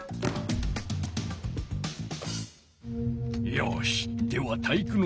よしでは体育ノ